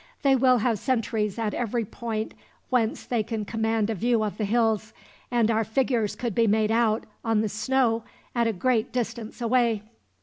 They will have sentries at every point whence they can command a view of the hills; and our figures could be made out, on the snow, at a great distance away."